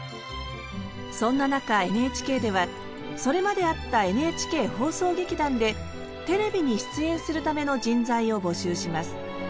そんな中ＮＨＫではそれまであったＮＨＫ放送劇団でテレビに出演するための人材を募集します。